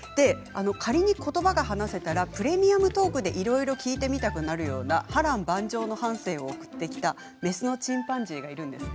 仮にことばが話せたら「プレミアムトーク」でいろいろ聞いてみたくなるような波乱万丈の半生を送ってきた雌のチンパンジーがいるんです。